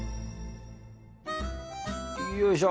よいしょ！